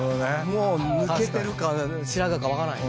もう抜けてるか白髪か分からんよ。